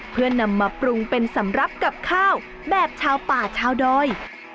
เพื่อนำมาปรุงเป็นสำหรับกับข้าวแบบชาวป่าชาวดอย